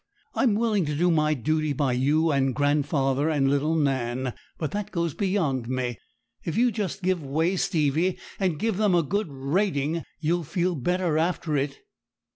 I'm willing to do my duty by you and grandfather and little Nan; but that goes beyond me. If you'd just give way, Stevie, and give them a good rating, you'd feel better after it.'